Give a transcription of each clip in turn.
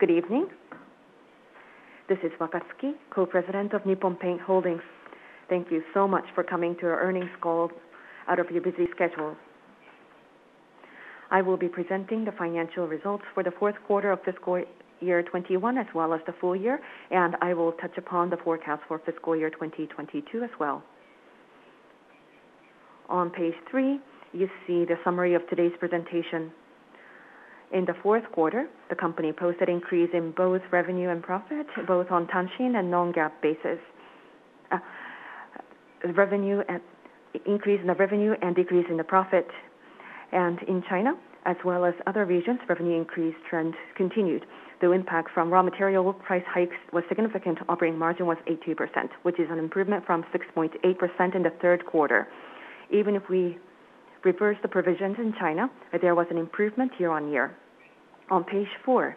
Good evening. This is Wakatsuki, Co-President of Nippon Paint Holdings. Thank you so much for coming to our earnings call out of your busy schedule. I will be presenting the financial results for the fourth quarter of fiscal year 2021, as well as the full year, and I will touch upon the forecast for fiscal year 2022 as well. On page three, you see the summary of today's presentation. In the fourth quarter, the company posted an increase in revenue and a decrease in profit, both on Tanshin and non-GAAP basis. In China as well as other regions, revenue increase trend continued. Though impact from raw material price hikes was significant, operating margin was 80%, which is an improvement from 6.8% in the third quarter. Even if we reverse the provisions in China, there was an improvement year-on-year. On page four.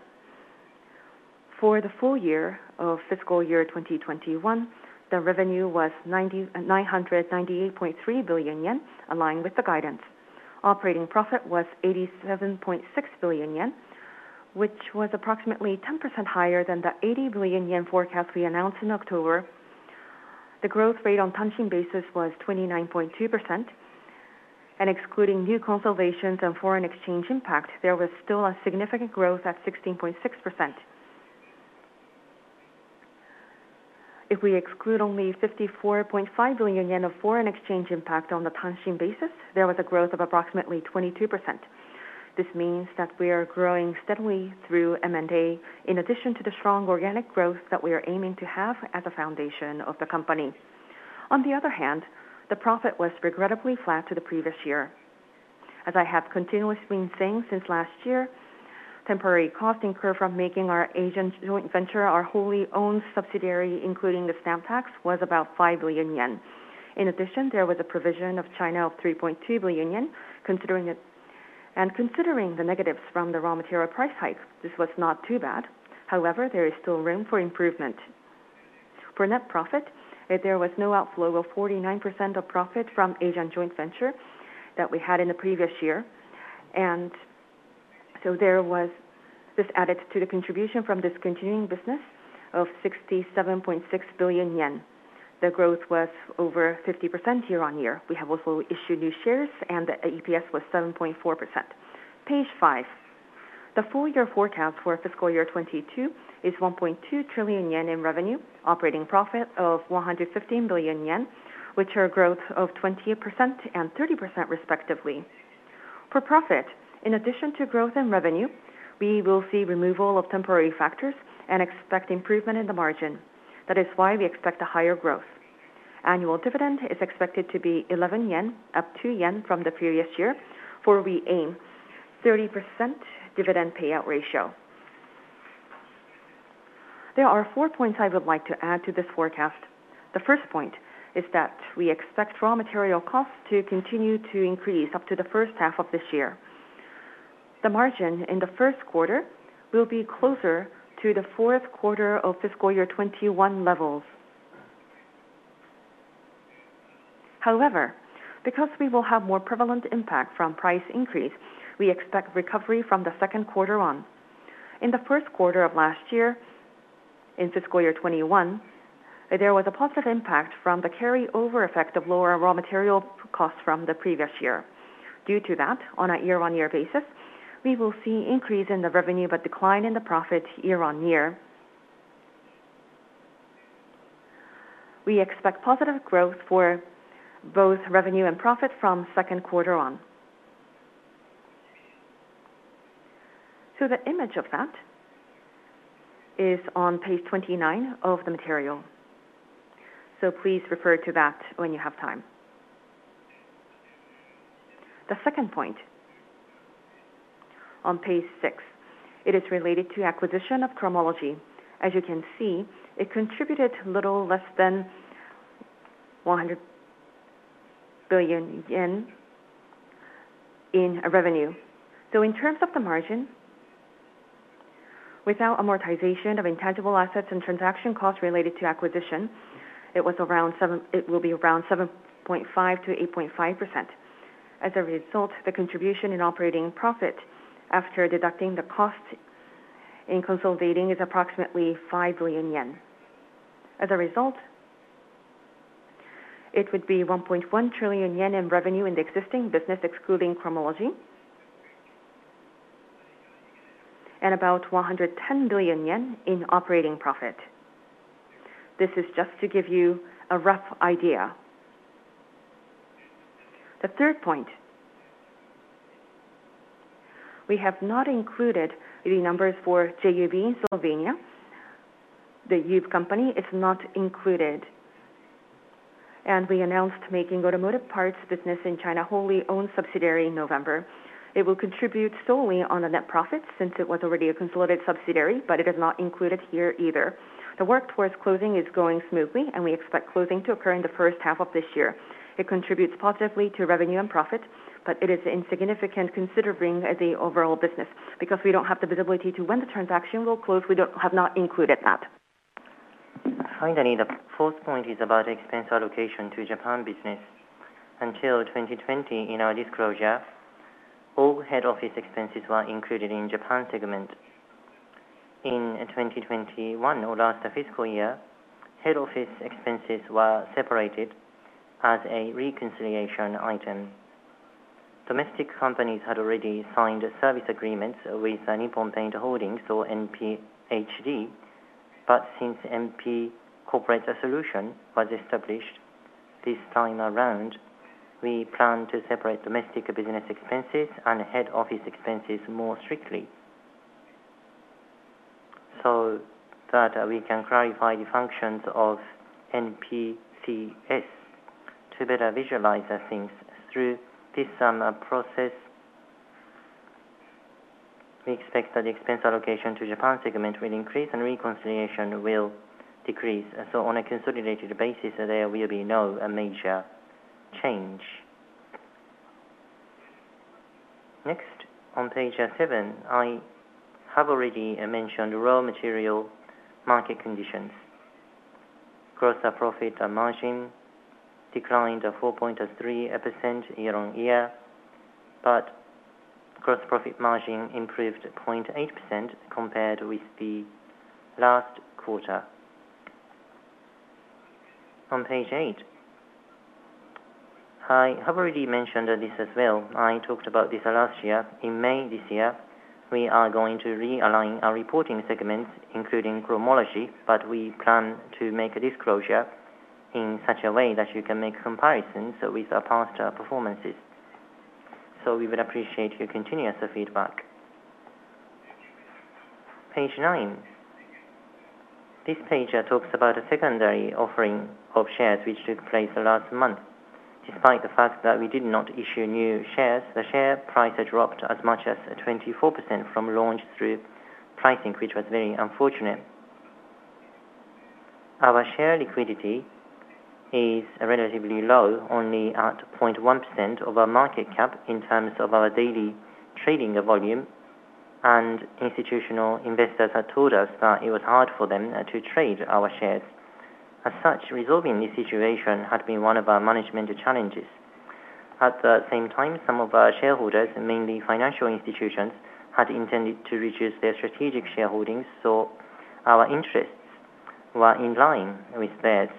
For the full year of fiscal year 2021, the revenue was 998.3 billion yen, aligned with the guidance. Operating profit was 87.6 billion yen, which was approximately 10% higher than the 80 billion yen forecast we announced in October. The growth rate on Tanshin basis was 29.2%, and excluding new consolidations and foreign exchange impact, there was still a significant growth at 16.6%. If we exclude only 54.5 billion yen of foreign exchange impact on the Tanshin basis, there was a growth of approximately 22%. This means that we are growing steadily through M&A, in addition to the strong organic growth that we are aiming to have as a foundation of the company. On the other hand, the profit was regrettably flat to the previous year. As I have continuously been saying since last year, temporary costs incurred from making our Asian joint venture our wholly owned subsidiary, including the stamp tax, was about 5 billion yen. In addition, there was a provision for China of 3.2 billion yen considering it. Considering the negatives from the raw material price hike, this was not too bad. However, there is still room for improvement. For net profit, there was no outflow of 49% of profit from Asian joint venture that we had in the previous year. There was this added to the contribution from discontinuing business of 67.6 billion yen. The growth was over 50% year-on-year. We have also issued new shares and the EPS was 7.4%. Page five. The full year forecast for FY 2022 is 1.2 trillion yen in revenue, operating profit of 115 billion yen, which are growth of 20% and 30% respectively. For profit, in addition to growth in revenue, we will see removal of temporary factors and expect improvement in the margin. That is why we expect a higher growth. Annual dividend is expected to be 11 yen, up 2 yen from the previous year, for we aim 30% dividend payout ratio. There are four points I would like to add to this forecast. The first point is that we expect raw material costs to continue to increase up to the first half of this year. The margin in the first quarter will be closer to the fourth quarter of FY 2021 levels. However, because we will have more prevalent impact from price increase, we expect recovery from the second quarter on. In the first quarter of last year, in fiscal year 2021, there was a positive impact from the carry-over effect of lower raw material costs from the previous year. Due to that, on a year-on-year basis, we will see increase in the revenue, but decline in the profit year-on-year. We expect positive growth for both revenue and profit from second quarter on. The image of that is on page 29 of the material. Please refer to that when you have time. The second point, on page six, it is related to acquisition of Cromology. As you can see, it contributed a little less than 100 billion yen in revenue. In terms of the margin, without amortization of intangible assets and transaction costs related to acquisition, it will be around 7.5%-8.5%. As a result, the contribution in operating profit after deducting the cost in consolidating is approximately 5 billion yen. As a result, it would be 1.1 trillion yen in revenue in the existing business, excluding Cromology. About 110 billion yen in operating profit. This is just to give you a rough idea. The third point, we have not included the numbers for JUB in Slovenia. The JUB company is not included. We announced making automotive parts business in China wholly owned subsidiary in November. It will contribute solely on the net profit since it was already a consolidated subsidiary, but it is not included here either. The work towards closing is going smoothly and we expect closing to occur in the first half of this year. It contributes positively to revenue and profit, but it is insignificant considering the overall business. Because we don't have the visibility to when the transaction will close, we have not included that. Finally, the fourth point is about expense allocation to Japan business. Until 2020, in our disclosure, all head office expenses were included in Japan segment. In 2021, or last fiscal year, head office expenses were separated as a reconciliation item. Domestic companies had already signed service agreements with Nippon Paint Holdings or NPHD. Since Nippon Paint Corporate Solutions was established this time around, we plan to separate domestic business expenses and head office expenses more strictly so that we can clarify the functions of NPCS to better visualize the things. Through this summer process, we expect that the expense allocation to Japan segment will increase and reconciliation will decrease. On a consolidated basis, there will be no major change. Next, on page seven, I have already mentioned raw material market conditions. Gross profit and margin declined 4.3% year-on-year, but gross profit margin improved 0.8% compared with the last quarter. On page eight, I have already mentioned this as well. I talked about this last year. In May this year, we are going to realign our reporting segments, including Cromology, but we plan to make a disclosure in such a way that you can make comparisons with our past performances. We would appreciate your continuous feedback. Page nine. This page talks about a secondary offering of shares which took place last month. Despite the fact that we did not issue new shares, the share price dropped as much as 24% from launch through pricing, which was very unfortunate. Our share liquidity is relatively low, only at 0.1% of our market cap in terms of our daily trading volume. Institutional investors had told us that it was hard for them to trade our shares. As such, resolving this situation had been one of our management challenges. At the same time, some of our shareholders, mainly financial institutions, had intended to reduce their strategic shareholdings, so our interests were in line with theirs.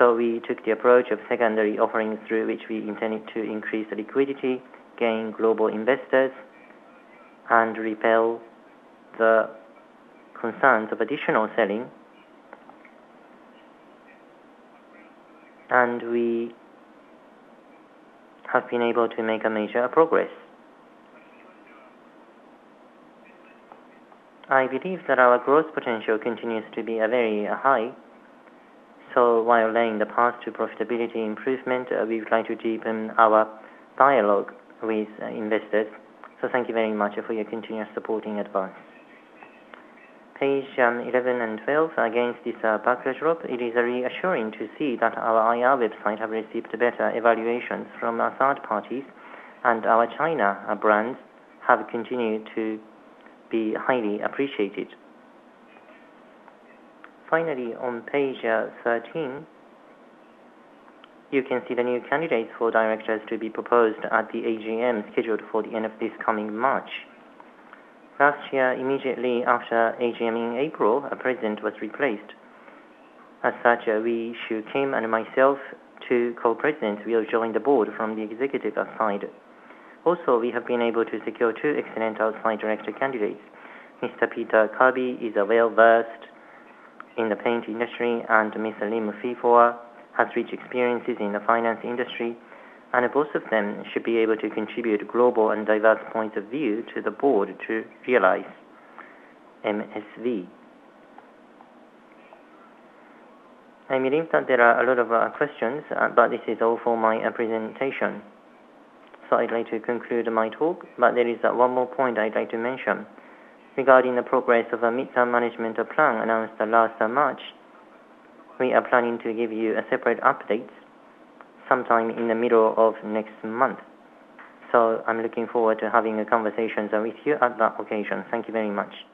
We took the approach of secondary offerings through which we intended to increase liquidity, gain global investors, and repel the concerns of additional selling. We have been able to make a major progress. I believe that our growth potential continues to be very high. While laying the path to profitability improvement, we will try to deepen our dialogue with investors. Thank you very much for your continuous support in advance. Page 11 and 12. Against this backdrop, it is reassuring to see that our IR website have received better evaluations from third parties, and our China brands have continued to be highly appreciated. Finally, on page 13, you can see the new candidates for directors to be proposed at the AGM scheduled for the end of this coming March. Last year, immediately after AGM in April, our president was replaced. As such, we, i.e., Kim and myself, two co-presidents, will join the board from the executive side. Also, we have been able to secure two excellent outside director candidates. Mr. Peter Kirby is well-versed in the paint industry, and Ms. Lim Feefo has rich experiences in the finance industry. Both of them should be able to contribute global and diverse points of view to the board to realize MSV. I believe that there are a lot of questions, but this is all for my presentation. I'd like to conclude my talk, but there is one more point I'd like to mention. Regarding the progress of our midterm management plan announced last March, we are planning to give you a separate update sometime in the middle of next month. I'm looking forward to having conversations with you at that occasion. Thank you very much.